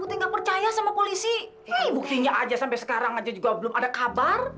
iya aja sampai sekarang aja juga belum ada kabar